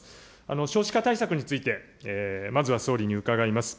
少子化対策について、まずは総理に伺います。